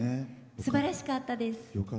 すばらしかったです。